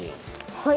はい。